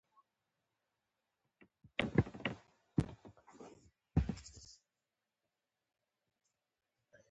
هغه خو تورن دی چي پادري ځوروي، پر ما خپله پادر ګران دی.